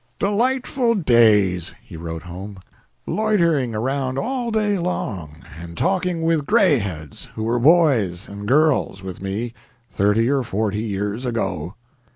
"Delightful days," he wrote home, "loitering around all day long, and talking with grayheads who were boys and girls with me thirty or forty years ago."